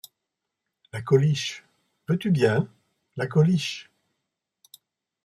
La Coliche ! veux-tu bien, la Coliche !…